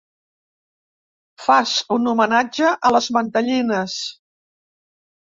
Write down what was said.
Fas un homenatge a les mantellines.